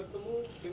terkait uji materi